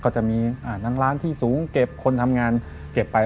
ก็จะมีนางร้านที่สูงเก็บคนทำงานเก็บไป